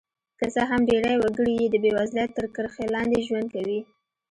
که څه هم ډېری وګړي یې د بېوزلۍ تر کرښې لاندې ژوند کوي.